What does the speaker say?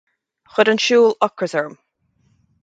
Chuir an siúl ocras orm.